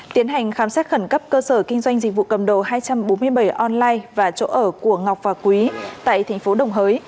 tiến hành khám xét khẩn cấp cơ sở kinh doanh dịch vụ cầm đồ hai trăm bốn mươi bảy online và chỗ ở của ngọc và quý tại thành phố đồng hới